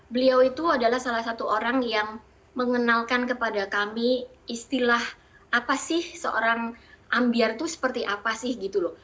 beliau itu adalah salah satu orang yang mengenalkan kepada kami istilah apa sih seorang ambiar itu seperti apa sih gitu loh